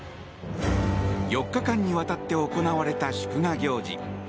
４日間にわたって行われた祝賀行事。